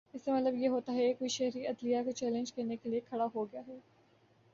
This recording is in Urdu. اس کا مطلب یہ ہوتا ہے کہ کوئی شہری عدلیہ کو چیلنج کرنے کے لیے کھڑا ہو گیا ہے